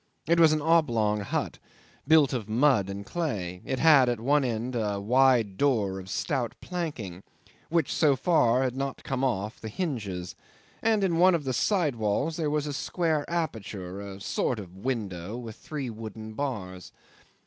It was an oblong hut, built of mud and clay; it had at one end a wide door of stout planking, which so far had not come off the hinges, and in one of the side walls there was a square aperture, a sort of window, with three wooden bars.